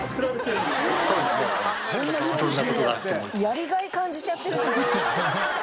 やりがい感じちゃってるじゃん。